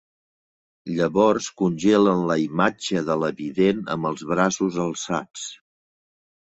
Llavors congelen la imatge de la vident amb els braços alçats.